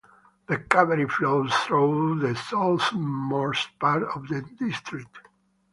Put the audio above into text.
The Kaveri flows through the southernmost part of the District.